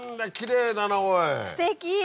すてき！